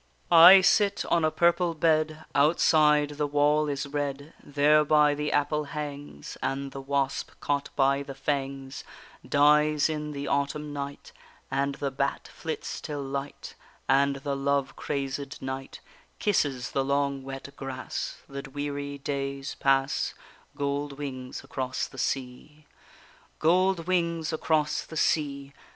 I sit on a purple bed, Outside, the wall is red, Thereby the apple hangs, And the wasp, caught by the fangs, Dies in the autumn night, And the bat flits till light, And the love crazèd knight Kisses the long wet grass: The weary days pass, Gold wings across the sea. Gold wings across the sea!